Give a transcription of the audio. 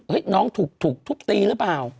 น้องถูกทุบตีหรือเปล่า